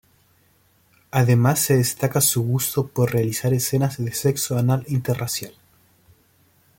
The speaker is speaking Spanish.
Además se destaca su gusto por realizar escenas de sexo anal interracial.